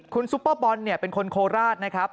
คุณซุปเปอร์บอลเป็นคนโคราชนะครับ